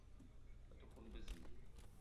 Me te poun bezimbi